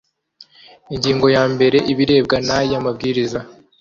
Ingingo ya mbere Ibirebwa n aya mabwiriza